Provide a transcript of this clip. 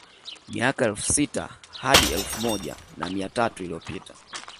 Miaka elfu sita hadi elfu moja na mia tatu iliyopita